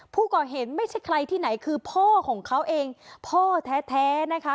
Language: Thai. ผู้ก่อเหตุไม่ใช่ใครที่ไหนคือพ่อของเขาเองพ่อแท้นะคะ